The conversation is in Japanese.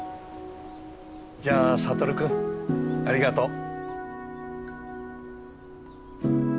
じゃあ悟君ありがとう。